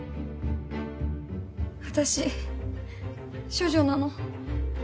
私処女なの。